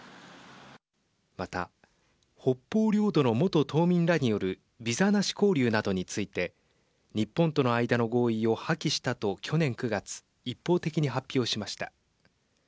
また、北方領土の元島民らによるビザなし交流などについて日本との間の合意を破棄したと去年９月、一方的に発表しました。